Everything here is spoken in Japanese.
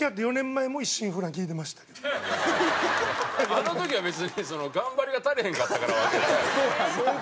あの時は別に頑張りが足りへんかったからってわけじゃ。